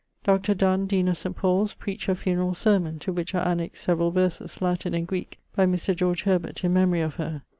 Dr. Donne, dean of St. Paul's, preached her funerall sermon, to which are annexed severall verses, Latin and Greeke, by Mr. George Herbert, in memorie of her.